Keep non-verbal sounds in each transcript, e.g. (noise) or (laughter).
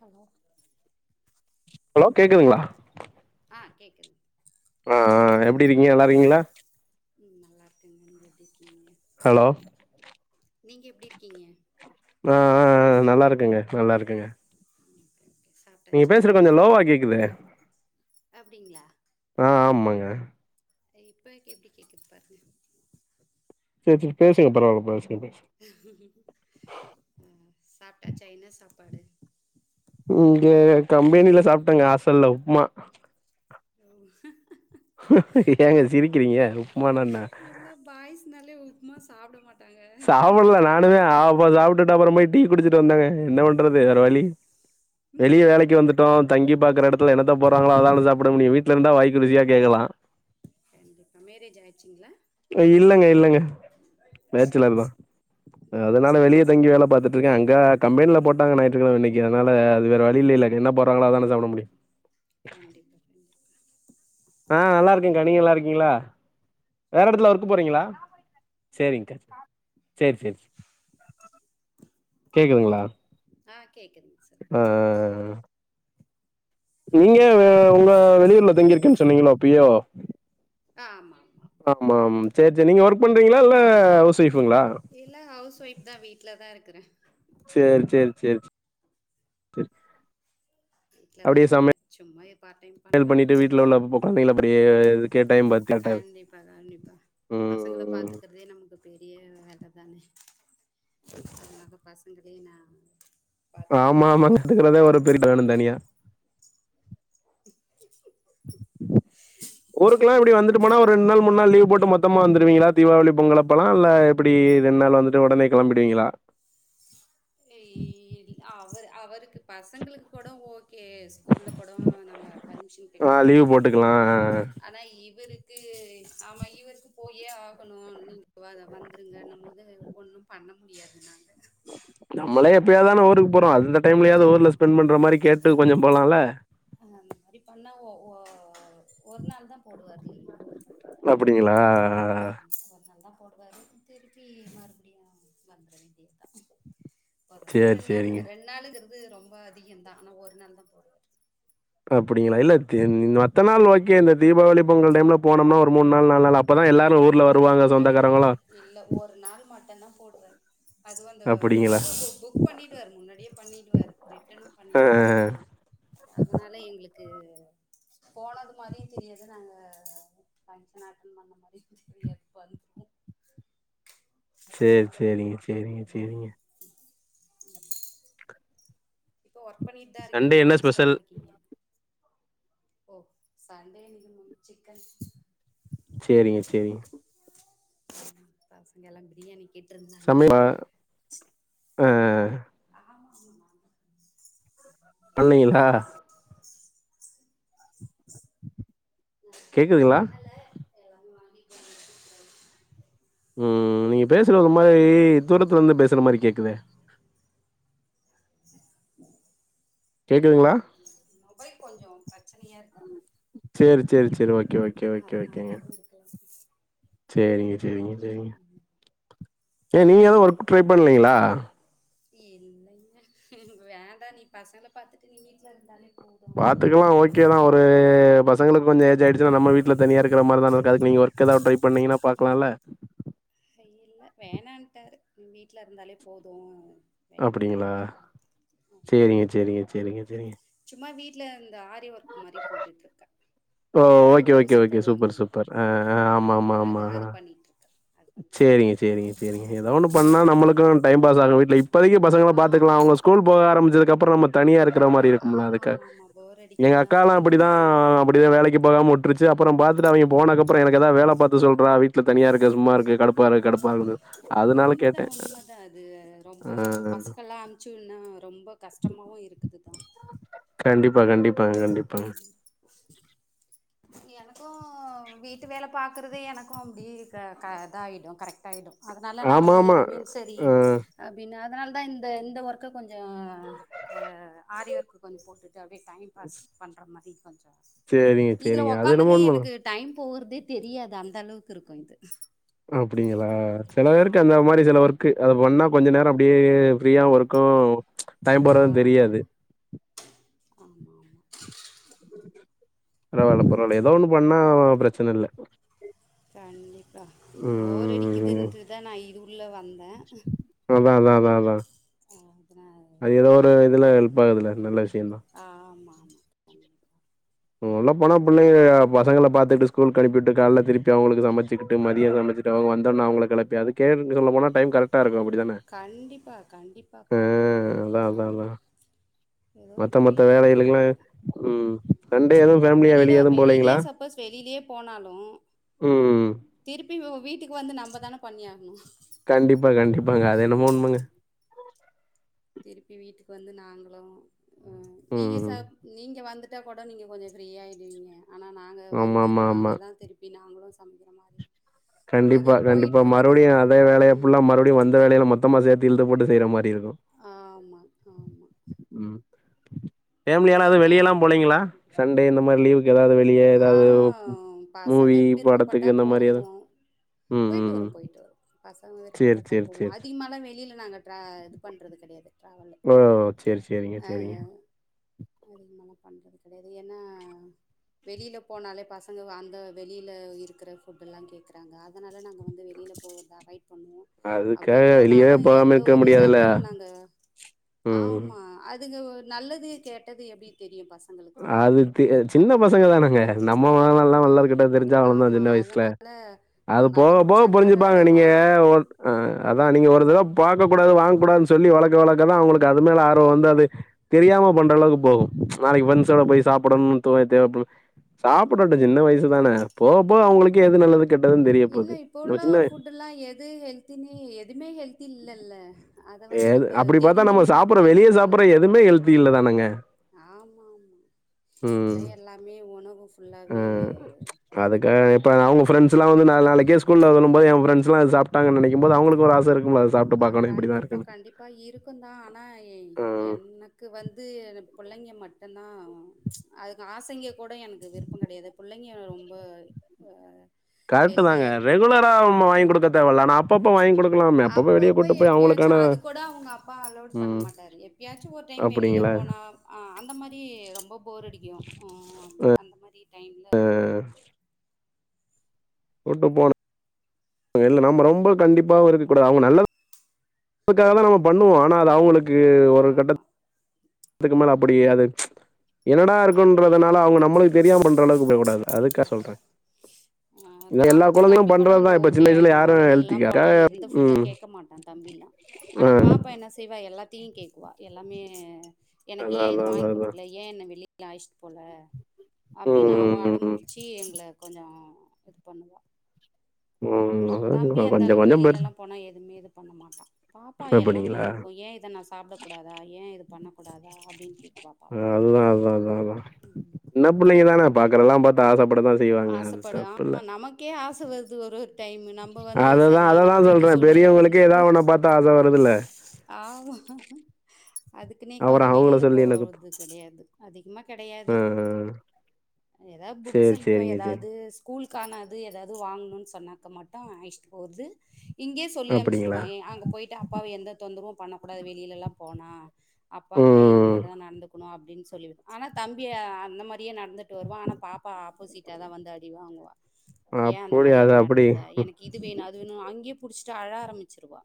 Hello hello கேக்குதுங்ளா ஆ கேக்குது ஆ எப்டி இருக்கீங்க நல்லாருக்கீங்களா ம் நல்லாருக்கங்க நீங்க எப்டி இருக்கீங்க ஹலோ நீங்க எப்டி இருக்கீங்க நா நல்லாருக்கங்க நல்லாருக்கங்க ஓகே ஓகே சாப்ட்டாச்சா கொஞ்சோ லோவா கேக்குது அப்டிங்ளா ஆ ஆமாங்க இப்பேக்கு எப்புடி கேக்குது பாரு செரி செரி பேசுங்க பரவால பேசுங்க பேசுங்க ஆ சாப்ட்டாச்சா என்ன சாப்பாடு இங்க கம்பெனில சாப்ட்டங்க ஆசல்ல உப்மா (inaudible) ஏங்க சிரிக்கிறீங்க உப்மானா என்ன பாய்சுனாலே உப்மா சாப்ட மாட் சாப்புல்ல நானுமே அப்றோ சாப்டு‌ட்டு அப்பறோ போய்‌ டீ குடிச்சிட்டு வந்தங்க என்ன பண் றது வேற வழி வெளிய வேலைக்கி வந்துட்டோ தங்கி பாக்குற எடத்துல‌ என்னத்த போறாங்களோ அதான சாப்டமுடியு வீட்ல இருந்த வாய்க்கு ருசியா கேக்கலா கண்டிப்பா மேரேஜ் ஆயிச்சுங்களா இல்லங்க இல்லங்க பேச்சுலர் தா அதனால சேரி வெளிய சேரி தங்கி வேல பாத்துகிட்டு இருக்கே அங்க கம்பெனில போட்டாங்க நைட் கிற நெனக்கே அதனால அது வேற வழி இல்லல்ல‌ என்ன போறாங்களோ அத தான சாப்ட முடியு கண்டிப்பா கண்டிப்பா ஆ நல்லா இருக்கேகா நீங்க நல்லா இருக்கீங்களா வேற எடத்துல ஒர்க்கு போறீங்களா சேரிங்க்கா சேரி சேரி சே கேக்குதுங்களா ஆ கேக்குது ஆ ஆ ஆ நீங்க உங்க வெளியூர்ல தங்கியிருக்கேன் சொன்னீங்களோ அப்பியோ ஆமாமா ஆமாம் சேரி சேரி நீங்க ஒர்க் பண்றீங்களா இல்ல ஹவுஸ் வொய்ப்களா இல்ல ஹவ்ஸ் ஒய்ஃப் தா வீட்ல தா இருக்கிறே சேர் சேர் சேர் சேர் வீட்ல தா அப்டியே இருக்கே சமையல் சும்மா எப் பார்ட் டைம் பண்லான்ட்டு பாத்தீங்களா அப்டியே இது கே டைம் பத் கர்ட்டார் கண்டிப்பா ம் அதே நமக்கு பெரிய வேல தானே சொன்னாக்க பசங்களேனா ஆம்மா ஆமாங்க கத்துக்கறதே ஒரு பீரிடு வேணு தனியா ஊருக்கெல்லா ஆமா எப்டி வந்துட்டு போனா ஒரு ரெண்டு நாள் மூன்நாள் லீவ் போட்டு மொத்தமா வந்துருவீங்களா தீபாவளி பொங்கலப்பல்லா இல்லே எப்டி ரெண்டு நாள் வந்துட்டு உடனே கிளம்பிடுவீங்களா ஏ அவரு அவருக்கு பசங்களுக்கு கூட ஓகே ஸ்கூல்ல கூடோ நம்ம பர்மிஷன் கேட்டு ஆ கூடோ லீவ் நம்ம இது போட்டுக்கலாம் ஆ பண்ணிக்கலா ஆ. ஆனா இவரு இவருக்கு ஆமா இவருக்கு போயே க்கு ஆமா இவருக்கு போயே ஆகணு நீங்க வந்துருங்க இன்னும் போது ஒண்ணு பண்ண முடியாது நாங்க நம்மளே எப்பயாது தான ஊருக்கு போறோ அந்த டைம்லயாவ்து ஊர்ல ஆமா ஸ்பெண்ட் பண்ற மாறி கேட்டு கொஞ்சோ போலால்ல அ அந்த மாறி பண்ணா ஒரு நாள் தா போடுவாரு லீவு அப்புடிங்களா ஆம்மா‌ஒரு நாள் தா போடுவாரு திருப்பி மறுபடியு வந்துற வேண்டி த் ஒரு நாள் சரி, ரெண் நாள் சரிங்க. ரெண் நாளுங்கிறது ரொம்ப அதிகந்தா ஆனா ஒரு நாள் தா போடுவாரு அப்டிங்களா இல்ல ஆமா மத்த நாள் ஓகே இந்த தீபாவளி பொங்கல் டைம்ல போனோம்னா ஒரு மூண் நாள் நாலு நாள் அப்பதா ஆ எல்லாரு ஊர்ல அந்த வருவாங்க மாரிலா இல்ல சொந்தக்காரங்கலா இல்ல ஒரு நாள் மட்டுந்தா போடுவாரு அதுவு அந்த அப்டிங்களா? அதுவு ஒரு புக் பண்ணிடுவாரு முன்னாடியே பண்ணிடுவாரு ரிட்டனு ஆ ஆ பண்ணிடுவாரு ஆ. அதனால எங்களுக்கு போனது மாறியு தெரியல நாங்க தஞ்ச நாட்ட பண்ண மாரி குத்திரி வந்து சேரி சேரி சேரிங்க சேரிங்க ம் ம் இப்ப ஒர்க் பண்ணிட்டு தா இருக்கீங்க சண்டே என்ன ஆஃபீஸ்ல தா ஸ்பெஷல்? இருக்கீங்க ஓ சண்டே இன்னைக்கு மூன் சிக்கன் சேரிங்க சேரிங்க ம் பசங்கல்லா பிரியாணி கேட்டிருந்தாங்க சொல்லுங்க ஆ ஆம்மாம்மா நாங்க பண்ணீங்களா நாங்க இன்னு கேக்குதுங்களா பண்ணல எல்லாமே வாங்கி (inaudible) உம் நீங்க பேசுறது ஒரு மாரி தூரத்துல இருந்து பேசுற மாரி கேக்குதே கேக்குதுங்களா என்னோட மொபைல் கொஞ்சோ பிரச்சனையா இருக்கு சேரி சேரி சேரி ஓகே ஓகே ஓகே அதனால ஓகேங்க கூட இருக்கலாம் சேரிங்க சேரிங்க சேரிங்க ம். ஏ நீங்க எது ஒர்க் ட்ரை பண்லைங்ளா இல்லங்க வேண்டா நீ பசங்கள பாத்துட்டு நீ வீட்ல இருந்தாலே போதும் அப்படின்ட்டு பாத்துக்கலா ஓ கேதா ஒரு பசங்களுக் கொஞ்சோ ஏஜ் ஆயிடுச்சுன்னா நம்ம வீட்ல தனியாருக்ற மாரி தா இருக்குதுக்கு நீங்க ஒர்க எதாவ்து ட்ரை பண்ணிங்கன்னா பாக்கலால ஹ இல்ல வேணான்ட்டாரு வீட்ல இருந்தாலே போது வேண்டா அப்டிங்களா அப்டின்ட்டாரு சேரிங்க சேரிங்க சேரிங்க சேரிங்க சும்மா வீட்ல இந்த ஆரி ஒர்க் மாரி போட்டுட்ருக்கே ஓ இந்த okay okay blouse okay super போடுவாங்கல்ல சூப்பர் ஆ ஆ ஆமா ஆமா அது ஆமா அது ஆ பண்ணிட்ருக்கே அது பண்ணிட்ருக்கே சேரிங்க சேரிங்க சேரிங்க எதோ ஒண்ணு பண்ணா நம்மளுக்கு டைம் பாஸ் ஆகு வீட்ல இப்போதைக்கு பசங்கள பாத்துக்கலா ஆமா அவங்க ஸ்கூல் போக ஆரமிச்சதுக்கு அப்றோ நம்ம தனியா இருக்ற மாரி இருக்கும்ல ஆமா ஆமா அதுக்காக ஆமா போர் எங்க அடிக்குந்தா அக்காலா ஆனா அப்டிதா நா அப் டியே வேலைக்கு போகாம உட்டுருச்சு அப்றோ பாத்துட்டு அவிங்க போனகப்றோ எனக்கு எதா வேல பாத்து சொல்றா வீட்ல தனியா இருக்க சும்மா இருக் க கடுப்பாருக் கடுப்பாருக் உண்மதா உண்மதா அது ரொம்ப ஆ பசக்கெல்லா அம்ச்சுன்னு ரொம்ப கஷ்டமாவு இருக்குதுதா கண்டிப்பா கண்டிப்பாங்க கண்டிப்பாங்க எனக்கு வீட்டு வேல பாக்குறதே எனக்கு அப்டி க க இதாயிடு கரெக்டாயிடு அதனால நா வந்து ஆமாமா. எதுமே சரி ஆ அப்டின்னு அதனாலதா இந்த இந்த ஒர்க்க கொஞ்சோ ஆ ஆரி ஒர்க்கு கொஞ்சோ போட்டு இதப்டி டைம் பாஸ் பண்ற மாரி கொஞ்சோ சேரி இதுல உக்காந்தாலேயே எனக்கு டைம் போவுறதே தெரியாது அந்த அளவுக்கு இருக்கு இது அப்டிங்களா சில பேருக்கு அந்த ஆமா மாதிரி சில ஒர்க்கு அத பண்ணா கொஞ்ச நேரோ அப்டியே ஃப்ரீயாவுருக் ஆமா ஆமா ஆமா பரவால பரவால எதோ ஒண்ணு ம் பண்ணா பிரச்சன இல்ல கண்டிப்பா போர் ம் அடிக்குதுன்ட்டு தா நா இது உள்ள வந்தே அதா அதா அதா அதா அதனால அது வேற இதுல ஹெல்ப் ஆகுதுல நல்ல விஷயதா ஆ ஆமா கண்டிப்பா உள்ள போனா புள்ளைங்க பசங்கள பாத்துட்டு ஸ்கூல் கனுப்பிட்டு கால்ல திருப்பி அவங்களுக்கு சமச்சுகிட்டு மதியம் சமச்சி கிட்டு வந்தனே அவங்க கிளப்பி அது கேன்னு சொல்ல போனா டைம் கரெக்டா இருக்கு அப்டித்தான கண்டிப்பா, ஆ கண்டிப்பாப்பா. அதா அதா அதா எதோ மத்த மத்த போயிட்டு இருக்குது வேலைகளுக்குலா ம் சண்டே எதுவும் ஃபேமிலியா வெளில வெளிய எதுவும் வெளிலயே போலீங்களா? ச சப்போஸ் வெளியிலயே போனாலும் ம் திருப்பி வீட்டுக்கு வந்து நம்ப தான பண்ணியாகணு கண்டிப்பா கண்டிப்பாங்க அது என்னமோ உண்மங்க திருப்பி வீட்டுக்கு வந்து நாங்களு ம் நீங்க ம் சார் நீங்க வா ன்ட்ட கூட நீங்க கொஞ்சோ ஃப்ரீயாயிடுவீங்க ஆனா நாங்க வந்து ஆமாமாமா. நாங்க தா திருப் பி நாங்களு சமைக்கிற மாரி ஏதோ கண்டிப்பா கண்டிப்பா போயிட்டுருக்குது. மறுவடியு அதே வேலயல்லா ம். ஃபுள்ள மறுவடி வந்த வேலையில மொத்தமா சேத்து இழுத்து போட்டு செய்ற மாரி இருக்கும் ஆமா ஆமா ம் பேமிலி அந்த ஆனது மாரி வெளிய தான் எல்லா போலேங்களா சண்டே இந்த மாரி லீவுக்கு ஏதாவது ஆ பசங்க விருப்பப்பட்டா படத்துக்கு இந்த மாரி எது போகுவோ ம் போயிட்டு ம் ம் வரும் போயிட்டு வரும் பசங்க சேரி விருப்பப்பட்டால் சேரி போவோம் சேரி அதிகமாலாம் வெளியில நாங்க ட்ரா இது பண்ணுறது கிடையாது ட்ராவல ஓ சேரி சேரிங்க ஆ சேரிங்க அதிகமாகலா பண்ணுறது கிடையாது ஏன்னா வெளியில போனாலே பசங்க அந்த வெளியில இருக்கிற ஃபுட்டெல்லா கேட்குறாங்க அதனால நாங்க வந்து வெளியில போகத் அய்டுபன்னுவோ அதுக்காக அப்டியே வெளியவே போனாலும் போகாம எந்த இருக்க ஒரு இதா முடியாதுல்ல இருந்தாலும் நாங்க ம் ஆமா அதுங்க நல்லது கேட்டது எப்டி தெரியும் பசங்களு அது சின்ன பசங்க தானங்க நம்ம மழ எல்லாம் நல்லாது ம் கெட்டது தெரிஞ்சா வளந்தோம் ஆமா சின்ன வயசுல அதனா அது அவங்க போக அடம் போக புடிச்சாங்கனாக்கா புரிஞ்சுப்பாங்க அத நீங்க வாங்கி ஆ அதா நீங்க ஒரு தடவ பாக்க கூடாது வாங்க கூடாது சொல்லி வழக்க வழக்கதான் அங்களுக்கு அது மேல ஆர்வம் வந்து அது தெரியாம பண்ற அளவுக்கு போகும் நாளைக்கு வந்து ஸோர போய் சாப்பிடனும் தோனும் சாப்டட்டும் சின்ன ஆ வயசுதானே போவ இப்போ அவங்களுக்கு எது நல்லது கெட்டதுன்னு தெரிய போகுது. இல்ல இப்போ நம்ம உள்ள சின்ன ஃபுட்டு் எல்லா எது ஹெல்தின்னு எதுவுமே ஹெல்தி இல்லல்ல அத வந்து எது நம்ப அப்டி பாத்தா நம்ம தெரிஞ்சுமே சாப்டற வெளிய புள்ளைங்களுக்கு சாப்பிடற எதுவுமே ஹெல்தி இல்ல தானுங்க ஆமா ஆமா இப்பதா எல்லாமே உணவு ஃபுல்லாவே அதுக்க இப்ப அவங்க ப்ரெண்ட் எல்லாம் வந்து நாள் நாளைக்கே ஸ்கூல்ல சொல்லும் போது என் ப்ரெண்ட்ஸ் எல்லாம் இது சாப் டாங்க நெனைக்கும் போது அவளுக்கு ஒரு ஆசை இருக்கும்ல அத சாப்ட்டு அ பாக்கனும் இப்டிதா இருக் கண்டிப்பா, கண்டிப்பா இருக்கும் தான் ஆனா ம். எனக்கு வந்து பிள்ளைங்க மட்டும்தா அதுக்கு ஆசங்க கூட எனக்கு விருப்பம் கிடையாது பிள்ளைங்க ரொம்ப ஆ கரெக்ட் தாங்க ரெகுலரா வாங்கி கொடுக்க தேவையில்ல ஆனா அப்பப்ப வாங்கி குடுக்கலாமே! வெளிய அப்பப்ப கூட்டு போய் அவங்களுக்கான எப்பாச்சும் அது கூட அவங்க அப்பா அலவுட் பண்ண ம். மாட்டாரு எப் ஏப்யாச்சும் ஒரு டைம் வெளில அப்டிங்களா? போனா அந்த மாரி ரொம்ப போர் அடிக்கும் அந்த மாறி டைம்ல பண்ணுவ ஆ கூட்டு போனு இல்ல நம்ம ரொம்ப கண்டிப்பாவு இருக் கூடாது அவுங்க நல்லதுக்காகதா நம்ம பண்ணுவோ ஆனா அது அவுங்களுக்கு ஒரு ஆமா கட்டத் துக்கு மேல அப்படி அது என்னடா அப்படி ஆ இருக்குன்றதனால அவுங்க நம்மளுக்கு தெரியாம பண்ற அளவுக்கு போயிடக் கூடாது அதுக்காக சொல்ற ஆ தம் தம்பி கூட கொஞ்சோ ஓகே சின்ன வயசுல ஆயிடுவா யாரும் வெளியிலல்லாம் ஹெல்த்திக்காக போனா எந்த ஃபுட்டுங் ம். கேக்க மாட்டா தம்பில்லா ஆனா அ பாப்பா என்ன செய்வா எல்லாத்தையு கேக்குவா எல்லாமே எனக்கு அதான், ஏன் இது அதான், அதான், வாங் அதான். குடுக்ல ஏன் என்ன வெளியில ஆலச்சுட்டு போல ம், அப்டின்னு அவ ம், ம், அடம்புடிச்சி டி எங்கள கொஞ்சோ இது பண்ணுவா ம். ம். தம்பி அதான் அந்த கொஞ்சம் அளவுக்கு கொஞ்சம் வெளியில பெருசு எல்லாம் போனா எதுமே இது பண்ண மாட்டா பாப்பா எல்லாமே அப்டிங்களா? கேக்கூ ஏ இத நா சாப்டக்கூடாதா ஏ இது பண்ணக்கூடாதா அப்டின்னு கேப்பா பாப்பா அதுதா அதா அதா அதா சின்ன புள்ளைங்க தான பாக்கறெல்லாம் பாத்தா ஆசப்படதா ஆசப்படு ஆமா நமக்கே ஆச வருது ஒரு ஒரு டைமு நம்ப வந்து அததா சரி அததா நம்ப வீட்டு சொல்றே சூழ்நிலைய பெரியவங்களுக்கே ஏதா புரிஞ்சுக்கிட்டு ஒன்ன பாத்து ஆச வருதுல்ல ஆமா அதுக்குனே அப்புறோ கொஞ்சோ அவங்கள வெளியில சொல்லி என்ன குத்த போறது கெடையாது அதிகமா கெடையாது ஆ ஆ எதாவ்து புக்ஸ் சேரி ஐட்டொ சேரிங்க சேரி. எதாவ்து கூல்க்கான அது எதாவ்து வாங்கணுன்னு சொன்னாக்க மட்டு அலச்சிட்டு போறது இங்கேயே சொல்லி அப்டிங்களா? அமிச்சிருவே எ அங்க போயிட்டு அப்பாவ எந்த தொந்தரவும் பண்ண கூடாது வெளியிலல்லாம் போனா அப்பாக்கிட்ட இந்த ம். மார்தா நடந்துக்குணு அப்டின் சொல்லுவே ஆனா தம்பி அந்த மாரியே நடந்துட்டு வருவா ஆனா பாப்பா ப்பா ஆப்போசிட்டா தா வந்து அடிவாங்குவா ஏ அந்த அப்படி மாரி அது அங்க அப்படி நடந்துட்ட எனக்கு இது வேணு அது வேணு அங்கயே புடிச்சிட்டு அழ ஆரம்பிச்சிருவா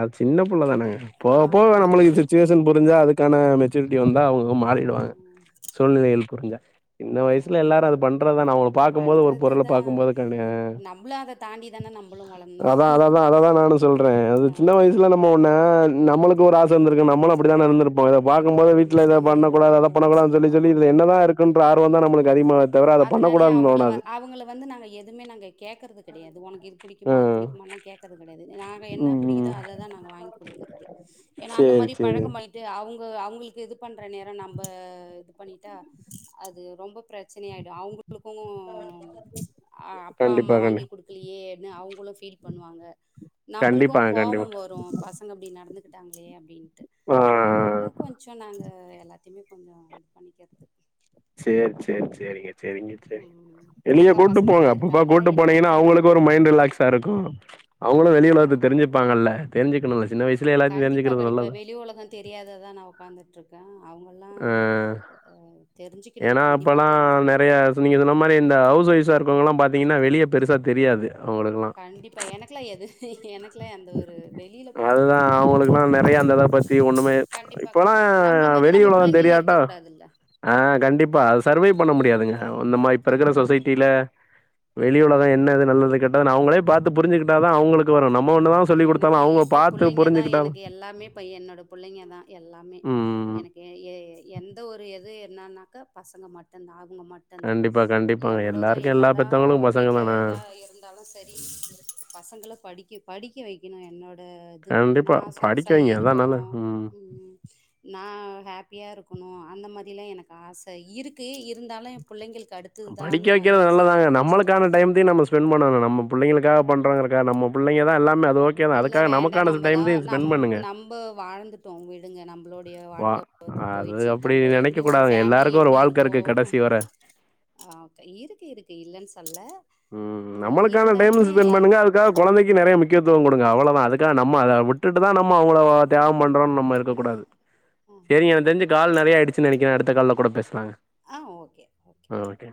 அது சின்ன புள்ள தானங்க போக போக ஆமா அந்த நம்மளுக்கு மாரி சுச்சுவேஷன் பண்ணுவோ புரிஞ்சா அதுக்கான மெச்சூரிட்டி வந்தா அவுங்க மாறிடுவாங்க ம் சூழ்நிலைகள் புரிஞ்சா சின்ன வயசுல ஆமா எல்லாரு ஆமா அது பண்றதுதான நா ஒன்ன பாக்கும்போது ஒரு பொருள பண்றதுதா பாக்கும்போது கடைய அ நம்மளு அத தாண்டி தானே நம்மளு அதா அத வளர்ந்தோ அதா அததா நானு சொல்றேன் அது ஆ சின்ன வயசுல ம்ம ஒன்ன நம்மளுக்கு ஒரு ஆச இருந்திருக்கூ நம்மளு அப்படிதான இருந்திருப் ம்ப இத பாக்கும் போது நம்மளும் வீட்ல இத அப்படிதான் பண்ண கூடாது அத இருந்திருப்போம் பண்ண கூடாதுன் சொல்ல சொல்லி இதுல ஆமா என்னதா ஆமா ஆமா. இருக்குன்ற ஆர்வந்தா நம்மளுக்கு அதிகமா அதனாலயே அவுங்கள அவுங்கள வந்து நாங்க எதுமே நாங்க கேக்கறது கெடையாது ஒனக்கு இது ஆ. புடிக்குமா அது புடிக்குமான்லி கேக்கறது கடையாது நாங்க என்ன ம், புடிக்குதோ ம். அததா நாங்க வாங் குடுக்கறது ஏன்னா அந்த சரி, மாரி சரிங்க. பழக்கமாய்ட்டு அவுங்க அவுங்களுக்கு இது பண்ற நேரொ நம்ம இது பண்ணிட்டா அது ரொம்ப பிரச்சனை ஆயிடு அவுங்களுக்கூ ஆ அப்பா அம்மா கண்டிப்பா, கண்டி வாங்கி குடுக்கலையே அப்டின்னு அவுங்களு ஃபீல் பண்ணுவாங்க நம்மளுக்கூ கண்டிப்பாங்க, கோவோ கண்டிப்பா. வரு பசங்க அப்டி நடந்துகிட்டாங்களே அப்டின்ட்டு ஆ அதனால கொஞ்சொ நாங்க எல்லாத்தையுமே கொஞ்சோ இது பண்ணிக்கறது சேரி சேரி சேரிங்க செரிங்க செரி ம் வெளியே அக்கா கூட்டு போங்க பசங்கள்லா அப்பப்ப இருக்காங்களா கூட்டு என் போனீங்கன்னா அக்கா என்ன அவுங்களுக்கு ஒரு ஊரு மைண்ட் ரிலாக்ஸ் ஸா இருக்கூ அவுங்களு வெளி ஆ உலகத்த தெரிச்சுப்பாங்கல்ல தெரிஞ்சுக்குணுல்ல சின்ன வயசுல எல்லாத்தையு தெரிஞ்சுக்கறது நல்லது தெரியாத தா நா உக்காந்துட்ருக் க அவுங்கல்லா ஆ. அ தெரிஞ்சுக்கிணு கண்டிப்பா தெரிஞ்சுக்கிணு ஸோ நீங்க சொன்ன மாரி இந்த ஹவுஸ் ஒய்ஃப்ஸா இருக்கவுங்களா பாத்தீங்கன்னா வெளிய பெருசா தெரியாது அவுங்களுக்குல்லா கண்டிப் பா எனக்லா எது எனக்லா எந்த ஒரு வெளியில அதுதான் போறப்பதே அவங்களுக்குலாம் தெரியாது நெறைய அந்த இத பத்தி ஒண்ணுமே கண்டிப்பா இப்போலாம் கண்டிப்பா நம்ப்ள மாரி வெளி நம்ப உலகம் புள்ளைங்களு தெரியாட்டா இருக்க கூடாதுல்ல ஆ கண்டிப்பா அது சர்வைவ் பண்ண முடியாதுங்க இந்த மா இப்ப இருக்கிற கண்டிப்பா சொசைட்டில வெளி உலகொ கண்டிப்பா என்னது கண்டிப்பா நல்லது கெட்டதா அவுங்களே பாத்து புரிஞ்சுகிட்டாதா அவுங்களுக் எனக்கு இப்ப புள்ளைங்கதா புரிஞ்சுக்கிட்டா எனக்கு எல்லாமே ப்ப என்னோட புள்ளைங்கதா எல்லாமே ம். எனக்கு எ எந்த ஒரு எது என்னான்னாக்கா பசங்க மட்டுந்த அவுங்க மட் தந்தா கண்டிப்பா, கண்டிப்பாங்க. எவ்வளோதா எல்லாருக்கும் எல்லா என்னதா பெத்தவங்களுக்கும் பசங்க வீட்டில் தான. இதா இருந்தாலு சரி பசங்கள படிக்க படிக்க வைக்குணு என்னோட டது நா கண்டிப்பா படிக்க வைங்க அதான் சொகுசாயிருக்கொணு நல்லது. ம். உம் நான் ஹேப்பியா இருக்குணு அந்த மாதில்லா எனக்கு ஆசை இருக்கு இருந்தாலு என் புள்ளைங்களுக்கு அடுத் படிக்க வெக்கிறது நல்லதாங்க நம்மளுக்கான டைம்தே நம்ம ஸ் ஸ்பெண் பண்ணணு நம்ம பிள்ளைளுக்காக பண்றங்கரக்க நம்ம புள்ளைங்கதா எல்லாமே அது ஓக் இல்ல வேண்டா நம்பதா நம் நம்ப வாழ்ந்துட்டோ விடுங்க நம்ப்ளுடைய வா வாழ்க்க வந்து அது போய்டுச்சு அப்படி நம்ப எப்டி நெனைக்கக் ஒரு கூடாதுங்க. ஃபேம்லி எல்லாருக்கும் ஒரு எப்டி வாழ்க்கை இருக்கோ இருக்கு கடைசி வர. ஆ ஓக்கே இருக்கு இருக்கு இல்லன் சொல்ல ம் ஆ, நம்மளுக்கான டைம் இருந்தாலுமே ஸ்பெண் பண்ணுங்க அதுக் கா கொழந்தைக்கு நெறைய முக்கியத்துவொ கொடுங்க அவ்வளதா அதுக்காக நம்ம அத விட்டுட்டு தா நம்ம அவுங்கள தேவம் பண்றோன்னு நம்ம இருக்ககூடாது செரிங்க எனக்தெஞ்சு ஓகே கால் நெறைய ஆய்டு ச்சு நெனைக்கே அடுத்த கால்ல கூட பேஸ்லாங்க அ ஓக்கே ஓக்கே ஆ ஓக்கே